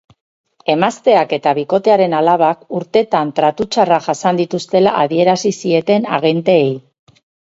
Emazteak eta bikotearen alabak urtetan tratu txarrak jasan dituztela adierazi zieten agenteei.